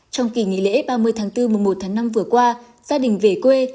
trong kỳ nghỉ lễ ba mươi tháng bốn mùa một tháng năm vừa qua gia đình về quê